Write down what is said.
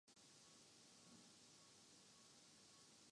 ہی لیکن ساتھ ساتھ ہونہار بھی ہیں۔